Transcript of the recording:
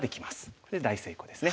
これ大成功ですね。